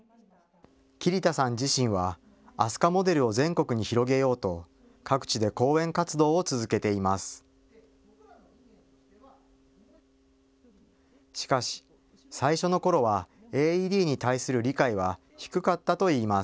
桐田さんはＡＳＵＫＡモデルを全国に広げようと各地で講演活動を続けています。